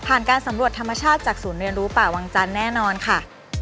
การสำรวจธรรมชาติจากศูนย์เรียนรู้ป่าวังจันทร์แน่นอนค่ะ